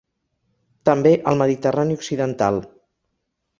També al Mediterrani occidental.